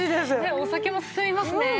お酒も進みますね。